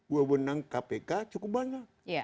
buah pemenang kpk cukup banyak